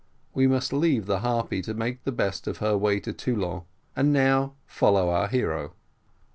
We must leave the Harpy to make the best of her way to Toulon and now follow our hero.